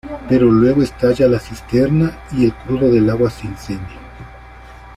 Pero luego estalla la cisterna y el crudo del agua se incendia.